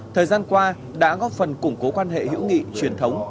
thời gian qua đã góp phần củng cố quan hệ hữu nghị truyền thống